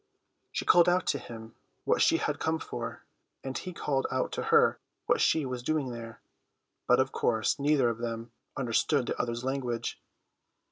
She called out to him what she had come for, and he called out to her what she was doing there; but of course neither of them understood the other's language.